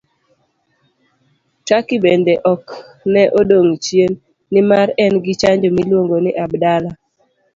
Turkey bende ok ne odong' chien, nimar en gi chanjo miluongo ni Abdala.